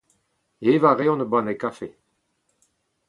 Evañ a reont ur banne kafe.